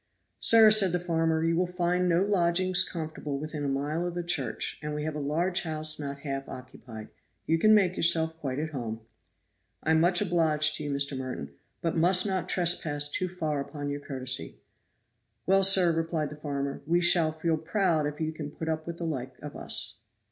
"Sir," said the farmer, "you will find no lodgings comfortable within a mile of the church, and we have a large house not half occupied. You can make yourself quite at home." "I am much obliged to you, Mr. Merton, but must not trespass too far upon your courtesy." "Well, sir," replied the farmer, "we shall feel proud if you can put up with the like of us."